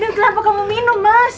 dan kenapa kamu minum mas